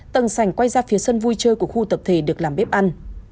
tầng sành quay ra phía sân vui chơi của khu tập thể được làm bếp ăn